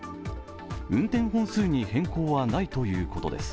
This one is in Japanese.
運転本数に変更はないということです。